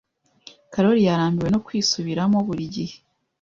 Karoli yarambiwe no kwisubiramo buri gihe.